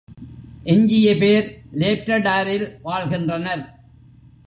எஞ்சிய பேர் லேப்ரடாரில் வாழ்கின்றனர்.